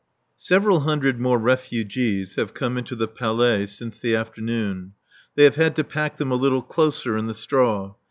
Several hundred more refugees have come into the Palais since the afternoon. They have had to pack them a little closer in the straw.